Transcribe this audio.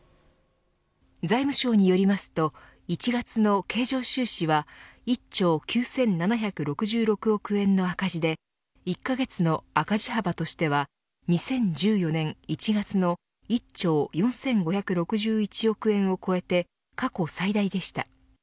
財務省によりますと１月の経常収支は１兆９７６６億円の赤字で１カ月の赤字幅としては２０１４年１月の１兆４５６１億円を超えて過去最大でした。